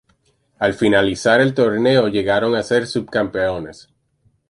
Al finalizar el torneo llegaron a ser subcampeones.